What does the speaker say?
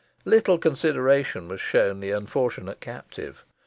Little consideration was shown the unfortunate captive.